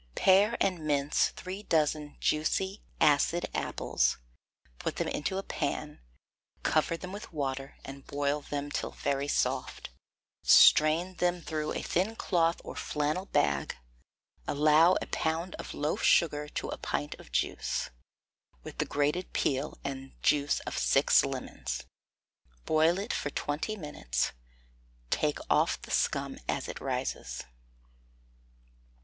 Pare and mince three dozen juicy, acid apples; put them into a pan; cover them with water, and boil them till very soft; strain them through a thin cloth or flannel bag; allow a pound of loaf sugar to a pint of juice, with the grated peel and juice of six lemons. Boil it for twenty minutes; take off the scum as it rises.